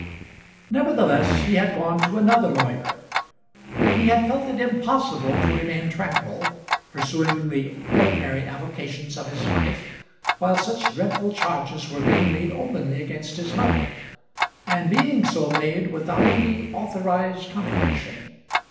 Nevertheless, he had gone to another lawyer. He had felt it impossible to remain tranquil, pursuing the ordinary avocations of his life, while such dreadful charges were being made openly against his mother, and being so made without any authorised contradiction.